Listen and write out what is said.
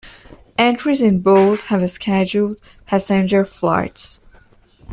Entries in bold have scheduled passenger flights.